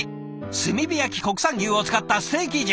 炭火焼き国産牛を使ったステーキ重。